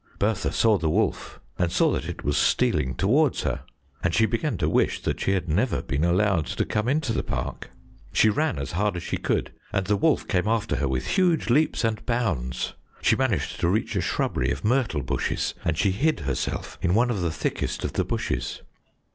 Bertha saw the wolf and saw that it was stealing towards her, and she began to wish that she had never been allowed to come into the park. She ran as hard as she could, and the wolf came after her with huge leaps and bounds. She managed to reach a shrubbery of myrtle bushes and she hid herself in one of the thickest of the bushes.